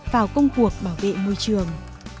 vào công cuộc bảo vệ môi trường